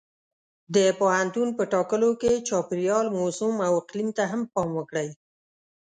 د پوهنتون په ټاکلو کې چاپېریال، موسم او اقلیم ته هم پام وکړئ.